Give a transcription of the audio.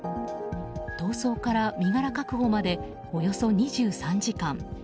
逃走から身柄確保までおよそ２３時間。